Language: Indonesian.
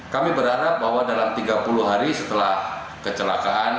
kami berharap bahwa dalam tiga puluh hari setelah kecelakaan